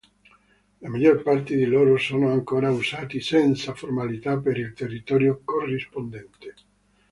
La maggior parte di loro sono ancora usati senza formalità per il territorio corrispondente.